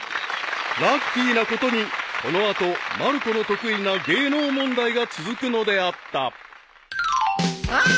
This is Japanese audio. ［ラッキーなことにこの後まる子の得意な芸能問題が続くのであった］さあ！